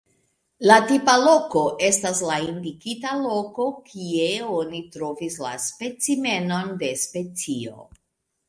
La tipa loko estas la indikita loko kie oni trovis la specimenon de specio.